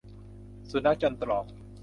สุนัขจนตรอก